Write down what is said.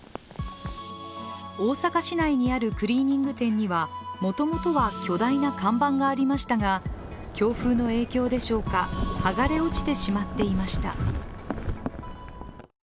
大阪市内にあるクリーニング店にはもともとは巨大な看板がありましたが強風の影響でしょうか、剥がれ落ちてしまっていました。